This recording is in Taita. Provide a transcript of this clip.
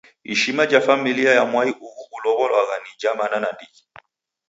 Ishima ja familia ya mwai uhu ulow'olwagha ni ja mana nandighi.